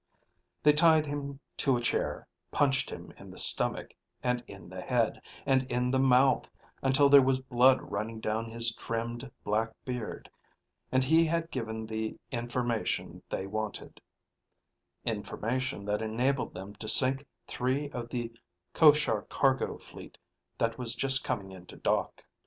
They tied him to a chair, punched him in the stomach, and in the head, and in the mouth until there was blood running down his trimmed, black beard; and he had given the information they wanted information that enabled them to sink three of the Koshar cargo fleet that was just coming into dock.